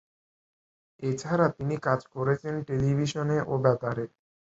এছাড়া তিনি কাজ করেছেন টেলিভিশনে ও বেতারে।